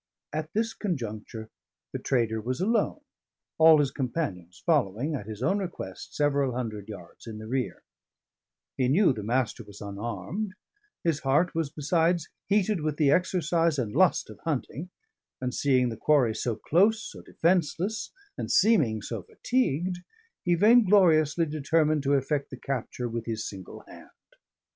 At this conjuncture the trader was alone, all his companions following, at his own request, several hundred yards in the rear; he knew the Master was unarmed; his heart was besides heated with the exercise and lust of hunting; and seeing the quarry so close, so defenceless, and seeming so fatigued, he vaingloriously determined to effect the capture with his single hand.